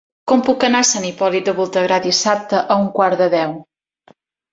Com puc anar a Sant Hipòlit de Voltregà dissabte a un quart de deu?